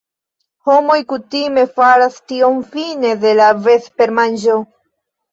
Homoj kutime faras tion fine de la vespermanĝo.